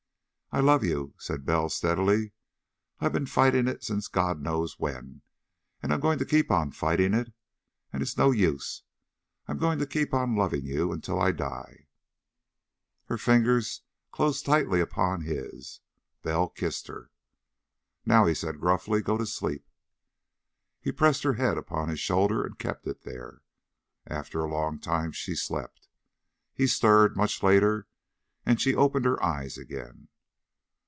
"I love you," said Bell steadily. "I've been fighting it since God knows when, and I'm going to keep on fighting it and it's no use. I'm going to keep on loving you until I die." Her fingers closed tightly upon his. Bell kissed her. "Now," he said gruffly, "go to sleep." He pressed her head upon his shoulder and kept it there. After a long time she slept. He stirred, much later, and she opened her eyes again.